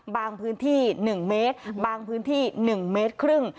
บางพื้นที่หนึ่งเมตรบางพื้นที่หนึ่งเมตรครึ่ง